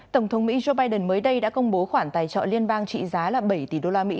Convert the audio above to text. tổng thống mỹ joe biden mới đây đã công bố khoản tài trợ liên bang trị giá là bảy tỷ đô la mỹ